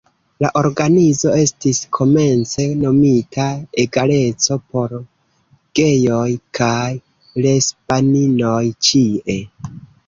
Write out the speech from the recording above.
La organizo estis komence nomita "Egaleco por gejoj kaj lesbaninoj ĉie".